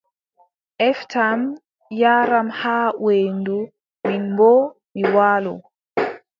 Eftam, yaaram haa weendu, min boo, mi waalo.